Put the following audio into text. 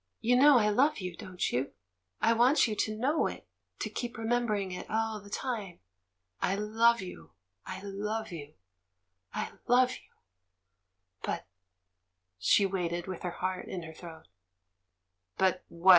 "You know I love you, don't you ? I want you to know it, to keep remembering it all the time. I love you, I love you, I love you! But —" She waited with her heart in her throat. "But what?"